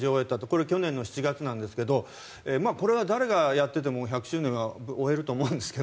これ、去年の７月なんですがこれは誰がやっていても１００周年は終えると思うんですが。